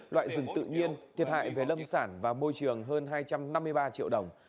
loại rừng tự nhiên thiệt hại về lâm sản và môi trường hơn hai trăm năm mươi ba triệu đồng